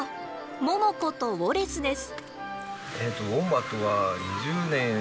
モモコとウォレスです。